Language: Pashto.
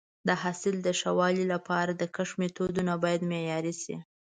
د حاصل د ښه والي لپاره د کښت میتودونه باید معیاري شي.